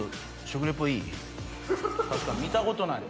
確かに見たことない。